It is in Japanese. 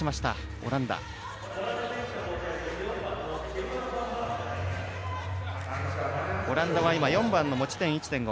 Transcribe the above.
オランダは今４番の持ち点４．５